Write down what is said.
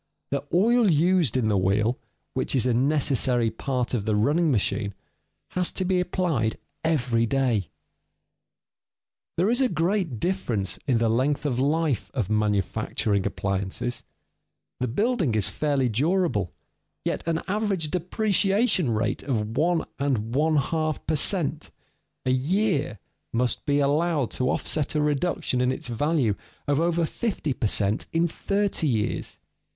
The oil used in the wheel, which is a necessary part of the running machine, has to be applied every day. [Sidenote: Depreciation of manufacturing appliances] There is a great difference in the length of life of manufacturing appliances. The building is fairly durable; yet an average depreciation rate of one and one half per cent. a year must be allowed to offset a reduction in its value of over fifty per cent, in thirty years.